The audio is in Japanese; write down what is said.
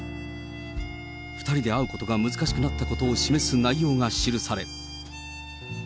２人で会うことが難しくなったことを示す内容が記され。